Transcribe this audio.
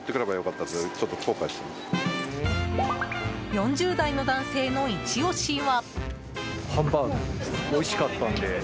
４０代の男性のイチ押しは。